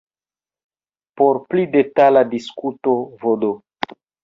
Por pli detala diskuto vd.